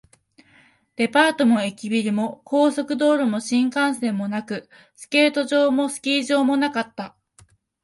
デパートも駅ビルも、高速道路も新幹線もなく、スケート場もスキー場もなかった